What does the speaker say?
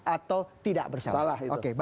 atau tidak bersalah oke